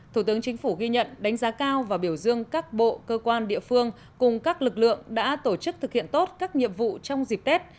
thủ tướng chính phủ ghi nhận đánh giá cao và biểu dương các bộ cơ quan địa phương cùng các lực lượng đã tổ chức thực hiện tốt các nhiệm vụ trong dịp tết